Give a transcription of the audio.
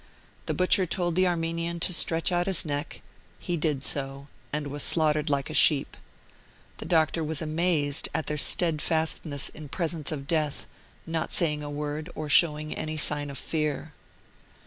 The butcher told the Armenian to stretch out his neck; he did so, and was slaughtered like a sheep. The doctor was amazed at their steadfastness in presence, of death, not saying a word, or showing any sign of fear.